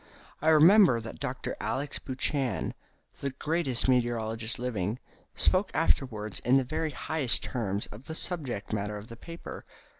I remember that Dr. Alex. Buchan the greatest meteorologist living spoke afterwards in the very highest terms of the subject matter of the paper.